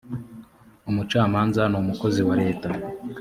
umucamanza numukozi wa leta.